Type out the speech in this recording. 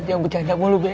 jangan bercanda mulu beb